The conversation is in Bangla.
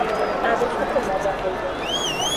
তাদের সাথে মজা করবো।